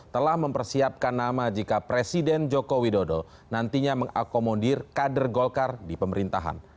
telah mempersiapkan nama jika presiden joko widodo nantinya mengakomodir kader golkar di pemerintahan